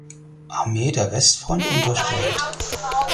Armee der Westfront unterstellt.